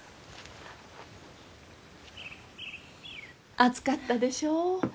暑かったでしょう？